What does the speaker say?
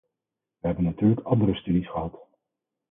We hebben natuurlijk andere studies gehad.